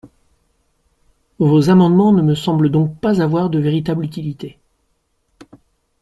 Vos amendements ne me semblent donc pas avoir de véritable utilité.